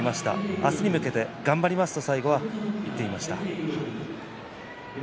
明日に向けて頑張りますと最後は言っていました。